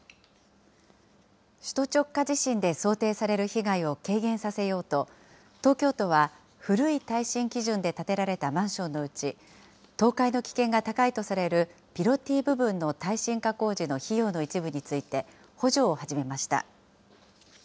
首都直下地震で想定される被害を軽減させようと、東京都は、古い耐震基準で建てられたマンションのうち、倒壊の危険が高いとされるピロティ部分の耐震化工事の費用の一部について、補助を始めました。